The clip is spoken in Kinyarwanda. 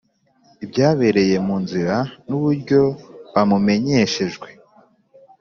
ibyabereye mu nzira n uburyo bamumenyeshejwe